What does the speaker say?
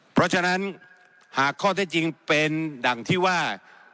เพราะฉะนั้นหากข้อเท็จจริงเป็นดั่งที่ว่า